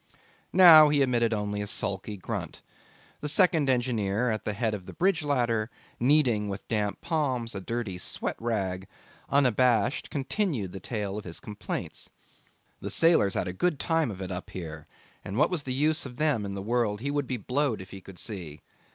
Now he emitted only a sulky grunt; the second engineer at the head of the bridge ladder, kneading with damp palms a dirty sweat rag, unabashed, continued the tale of his complaints. The sailors had a good time of it up here, and what was the use of them in the world he would be blowed if he could see.